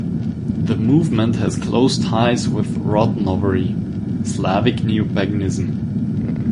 The movement has close ties with Rodnovery (Slavic Neopaganism).